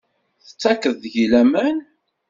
Tettakeḍ deg-i laman?